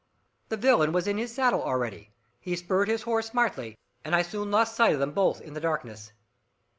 The villain was in his saddle already, he spurred his horse smartly, and I soon lost sight of them both in the darkness.